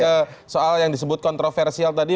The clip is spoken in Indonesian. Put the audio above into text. ke soal yang disebut kontroversial tadi